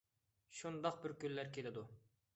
شۇنداق بىر كۈنلەر كېلىدۇ.